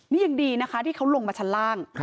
นี่ยังดีนะคะที่เขาลงมาชั้นล่าง